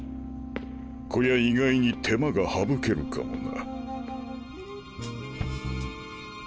こりゃ意外に手間が省けるかもな。